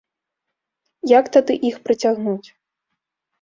Як тады іх прыцягнуць?